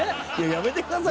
やめてください。